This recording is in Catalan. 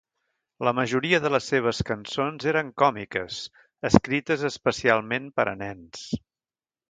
La majoria de les seves cançons eren còmiques, escrites especialment per a nens.